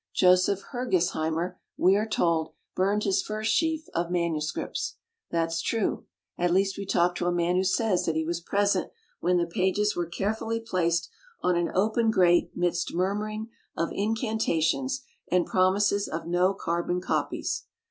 Joseph Herges heimer, we are told, burned his first sheef of manuscripts. That's true — at least we talked to a man who says that he was present when the pages were carefully placed on an open grate midst murmuring of incantations, and promises of "no carbon copies".